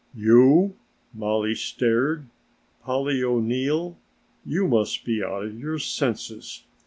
"You?" Mollie stared. "Polly O'Neill, you must be out of your senses.